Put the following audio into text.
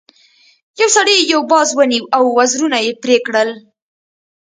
یو سړي یو باز ونیو او وزرونه یې پرې کړل.